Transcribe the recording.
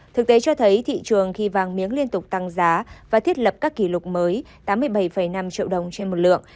thực tế cho thấy thị trường khi vàng miếng liên tục tăng giá và thiết lập các kỷ lục mới tám mươi bảy năm triệu đồng trên một lượng